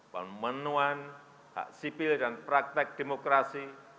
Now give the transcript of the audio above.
pemenuhan hak sipil dan praktek demokrasi